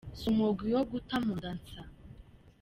Si umugwi wo guta mu nda nsa.